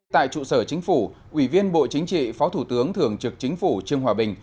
tại trụ sở chính phủ ủy viên bộ chính trị phó thủ tướng thường trực chính phủ trương hòa bình